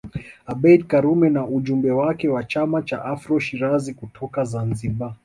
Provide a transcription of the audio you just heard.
Abeid Karume na ujumbe wake wa chama cha Afro Shirazi kutoka Zanzibar